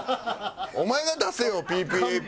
お前が出せよ「ＰＰＡＰ」。